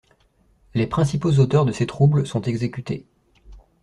Les principaux auteurs de ces troubles sont exécutés.